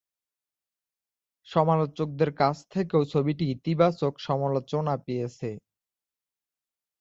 সমালোচকদের কাছ থেকেও ছবিটি ইতিবাচক সমালোচনা পেয়েছে।